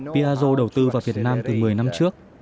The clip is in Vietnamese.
piaggio đầu tư vào việt nam từ một mươi năm trước